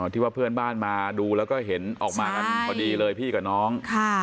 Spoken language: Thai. ที่ว่าเพื่อนบ้านมาดูแล้วก็เห็นออกมากันพอดีเลยพี่กับน้อง